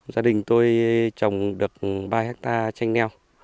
gia đình tôi trồng được ba hectare tranh leo